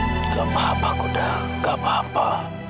gak apa apa kuda gak apa apa